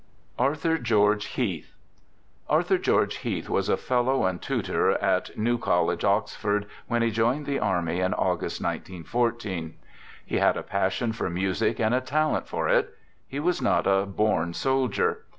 ARTHUR GEORGE HEATH Arthur George Heath was a fellow and tutor at New College, Oxford, when he joined the army in August, 19 14. He had a passion for music and a talent for it. He was not a " born soldier."